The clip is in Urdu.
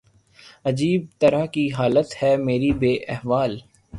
عجیب طرح کی حالت ہے میری بے احوال